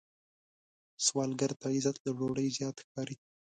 سوالګر ته عزت له ډوډۍ زیات ښکاري